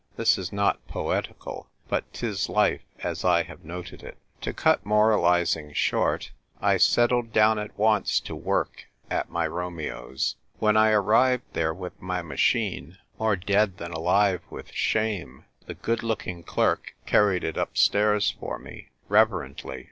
This is not poetical, but 'tis life as I have noted it. To cut moralising short, I settled down at once to work at my Romeo's. When I arrived there with my machine, more dead than alive with shame, the good looking clerk carried it upstairs for me reverently.